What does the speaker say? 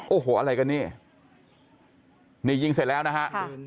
โอ้โหอะไรกันนี่นี่ยิงเสร็จแล้วนะฮะ